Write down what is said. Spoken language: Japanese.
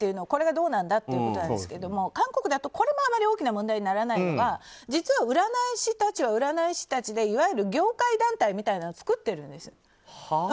これはどうなんだということなんですが韓国だとこれもあまり大きな問題にならないのが実は占い師たちは占い師たちでいわゆる業界団体みたいなのを作っているんです。